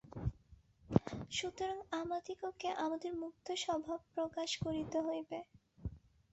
সুতরাং আমাদিগকে আমাদের মুক্তস্বভাব প্রকাশ করিতে হইবে।